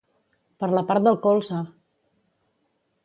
Per la part del colze!